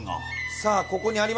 さあここにあります